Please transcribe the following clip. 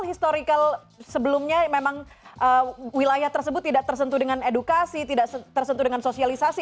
historical sebelumnya memang wilayah tersebut tidak tersentuh dengan edukasi tidak tersentuh dengan sosialisasi